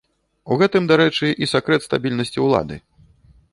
У гэтым, дарэчы, і сакрэт стабільнасці ўлады.